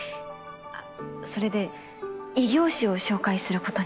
あっそれで異業種を紹介することに。